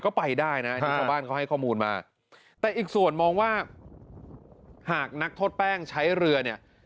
ก็ไปได้นะที่ชาวบ้านเขาให้ข้อมูลมาแต่อีกส่วนมองว่าหากนักโทษแป้งใช้เรือเนี่ย